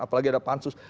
apalagi ada pansus